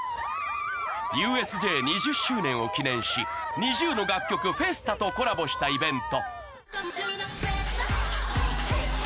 ＵＳＪ２０ 周年を記念し ＮｉｚｉＵ の楽曲『ＦＥＳＴＡ』とコラボしたイベント